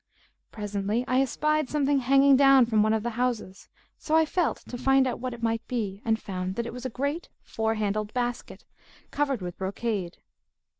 [FN#176] Presently, I espied something hanging down from one of the houses; so I felt it to find out what it might be and found that it was a great four handled basket,[FN#177] covered with brocade.